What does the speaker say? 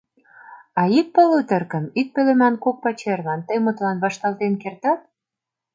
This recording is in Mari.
А ик «полуторкым» ик пӧлеман кок пачерлан... тый, мутлан, вашталтен кертат?